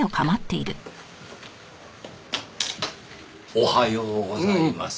おはようございます。